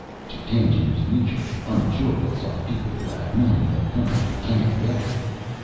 To Tangiers Mutual, uninsurables are people who have money the company can't get at.